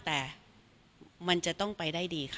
แต่มันจะต้องไปได้ดีค่ะ